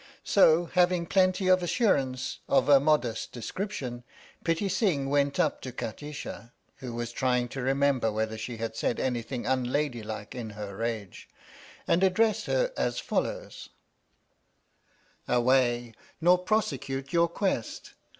So, having plenty of assurance of a modest description, Pitti Sing went up to Kati sha (who was trying to remember whether she had said anything unladylike in her rage), and addressed her as follows : 68 THE STORY OF THE MIKADO Away, nor prosecute your quest.